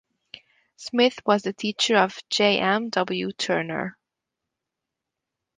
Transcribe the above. Smith was the teacher of J. M. W. Turner.